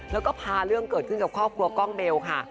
แล้วก็พาเรื่องเกิดขึ้นกับครอบครัวกล้องเบลค่ะ